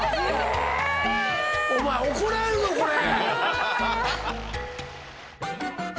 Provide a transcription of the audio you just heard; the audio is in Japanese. お前怒られるぞこれ。